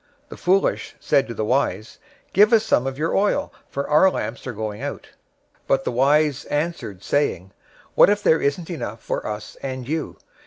} 025:008 The foolish said to the wise, 'Give us some of your oil, for our lamps are going out.' 025:009 But the wise answered, saying, 'What if there isn't enough for us and you?